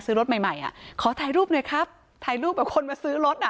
ซื้อรถใหม่ขอถ่ายรูปหน่อยครับถ่ายรูปแบบคนมาซื้อรถ